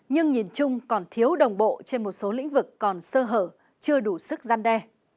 nhưng nhìn chung còn thiếu đồng bộ trên một số lĩnh vực còn sơ hở chưa đủ sức gian đe